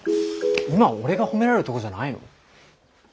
今俺が褒められるとこじゃないの？